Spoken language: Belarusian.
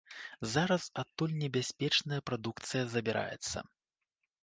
Зараз адтуль небяспечная прадукцыя забіраецца.